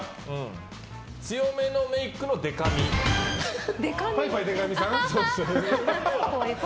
強めのメイクのでか美。